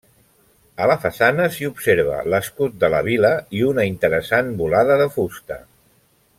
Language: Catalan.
A la façana s'hi observa l'escut de la vila i una interessant volada de fusta.